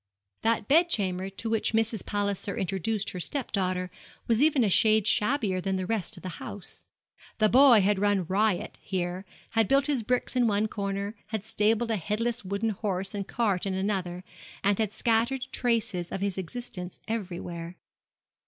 That bed chamber to which Mrs. Palliser introduced her step daughter was even a shade shabbier than the rest of the house. The boy had run riot here, had built his bricks in one corner, had stabled a headless wooden horse and cart in another, and had scattered traces of his existence everywhere.